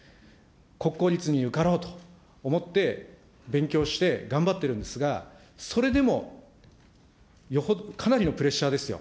国公立に受かろうと思って、勉強して、頑張ってるんですが、それでも、よほど、かなりのプレッシャーですよ。